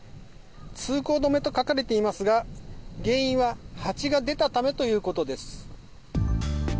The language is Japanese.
通行止めと書かれていますが原因はハチが出たためということです。